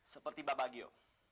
seperti bapak gio